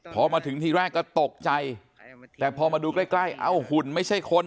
พอมาถึงทีแรกก็ตกใจแต่พอมาดูใกล้ใกล้เอ้าหุ่นไม่ใช่คน